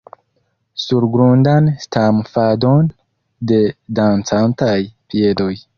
Surgrundan stamfadon de dancantaj piedoj.